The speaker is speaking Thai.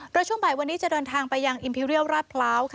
โดยช่วงบ่ายวันนี้จะเดินทางไปยังอิมพิเรียลราชพร้าว